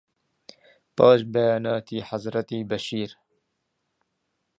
پاش بەیاناتی حەزرەتی بەشیر